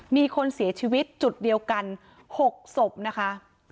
มีคนเสียชีวิตจุดเดียวกัน๖ศพนะคะ